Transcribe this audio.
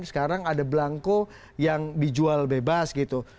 sekarang ada belangko yang dijual bebas gitu